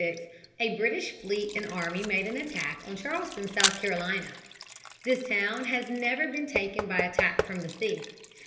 In June 1776 a British fleet and army made an attack on Charleston, South Carolina. This town has never been taken by attack from the sea.